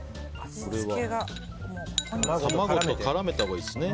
卵と絡めたほうがいいですね。